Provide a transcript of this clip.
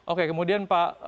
oke kemudian pak